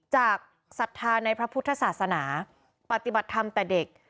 ศรัทธาในพระพุทธศาสนาปฏิบัติธรรมแต่เด็ก